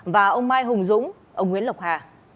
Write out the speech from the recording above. và ông mai hùng dũng ông nguyễn lộc hà